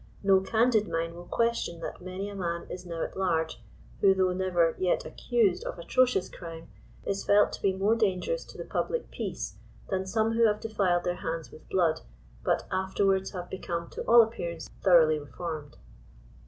No candid mind will question that many a man is now at large, who 33 though never yet accused of atrocious crime, is felt to be more dangerous to the public peace, than some who have defiled their hands with blood, but afterwards have become to all appear ance thoroughly reformed.